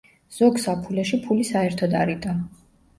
ზოგ საფულეში ფული საერთოდ არ იდო.